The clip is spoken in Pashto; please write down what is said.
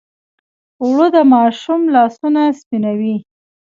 اوړه د ماشوم لاسونه سپینوي